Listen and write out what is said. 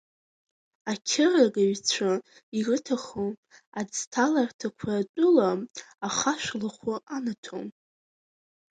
Ақьырагаҩцәа ирыҭахо аӡҭаларҭақәа атәыла ахашәалахәы анаҭом.